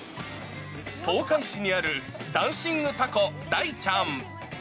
東海市にあるダンシングタコだいちゃん。